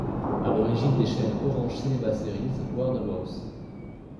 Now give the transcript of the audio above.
À l'origine des chaînes Orange Cinema Séries, Warner Bros.